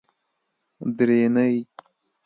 درېنۍ